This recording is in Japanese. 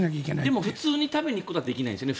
でも普通に食べに行くことはできないですよね？